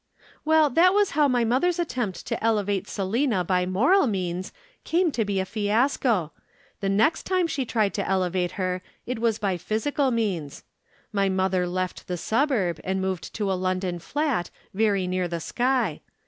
"Well, that was how mother's attempt to elevate Selina by moral means came to be a fiasco. The next time she tried to elevate her, it was by physical means. My mother left the suburb, and moved to a London flat very near the sky.